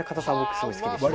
すごい好きですね